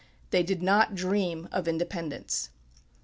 They did not dream of independence.